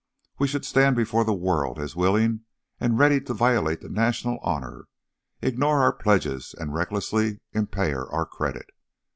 We should stand before the world as willing and ready to violate the national honour, ignore our pledges and recklessly impair our credit.